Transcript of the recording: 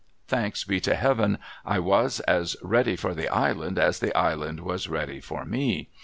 Thanks be to Heaven, I was as ready for the island as the island was ready for me.